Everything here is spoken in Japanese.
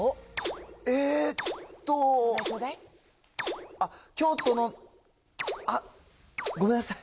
えーっと、あっ、京都の、あっ、ごめんなさい。